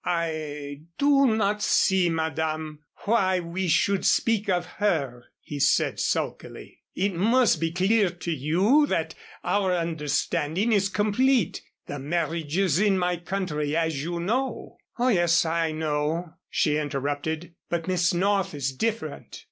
"I do not see, Madame, why we should speak of her," he said, sulkily. "It must be clear to you that our understanding is complete. The marriages in my country, as you know " "Oh, yes, I know," she interrupted, "but Miss North is different.